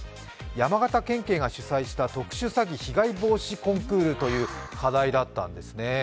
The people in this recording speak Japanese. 山形県警が主催した特殊詐欺被害防止コンクールという課題だったんですね。